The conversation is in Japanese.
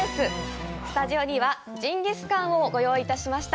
スタジオには、ジンギスカンをご用意いたしました。